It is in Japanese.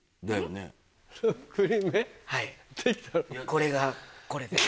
これがこれで。